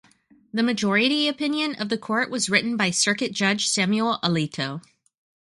The majority opinion of the court was written by Circuit Judge Samuel Alito.